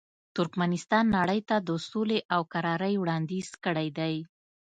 ترکمنستان نړۍ ته د سولې او کرارۍ وړاندیز کړی دی.